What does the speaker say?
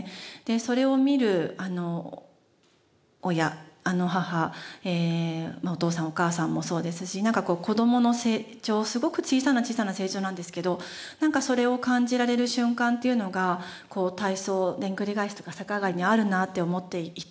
それを見る親母お父さんお母さんもそうですしなんか子どもの成長すごく小さな小さな成長なんですけどなんかそれを感じられる瞬間っていうのが体操でんぐり返しとか逆上がりにあるなって思っていて。